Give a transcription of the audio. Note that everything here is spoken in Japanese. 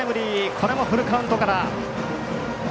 これもフルカウントから。